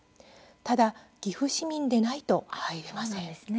ただ、岐阜市民でないと入れません。